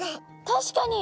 確かに！